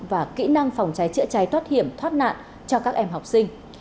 và kỹ năng phòng cháy chữa cháy thoát hiểm thoát nạn cho các em học sinh